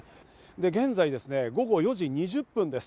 現在、午後４時２０分です。